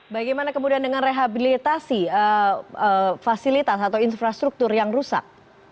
bagaimana kemudian dengan rehabilitasi fasilitas atau infrastruktur yang rusak